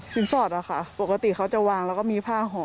สอดอะค่ะปกติเขาจะวางแล้วก็มีผ้าห่อ